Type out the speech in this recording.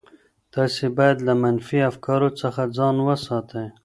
تاسي باید له منفي افکارو څخه ځان وساتئ.